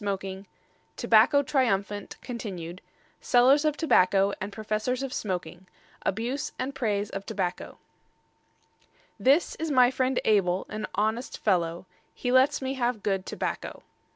III TOBACCO TRIUMPHANT (continued) SELLERS OF TOBACCO AND PROFESSORS OF SMOKING ABUSE AND PRAISE OF TOBACCO This is my friend Abel, an honest fellow; He lets me have good tobacco.